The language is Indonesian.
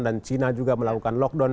dan china juga melakukan lockdown